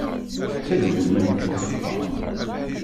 Tettalem ulman deg tzeqqa.